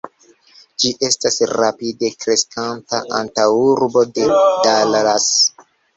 Ĝi estas rapide kreskanta antaŭurbo de Dallas.